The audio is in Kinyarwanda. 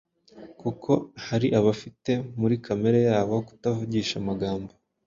kuko hari abafite muri kamere yabo kutavugisha amagambo,